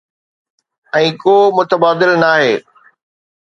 ۽ ڪو متبادل ناهي.